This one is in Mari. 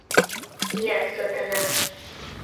Ия, сотана!